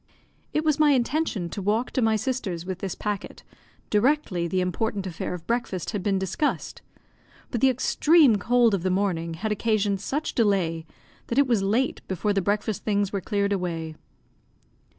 It was my intention to walk to my sister's with this packet, directly the important affair of breakfast had been discussed; but the extreme cold of the morning had occasioned such delay that it was late before the breakfast things were cleared away.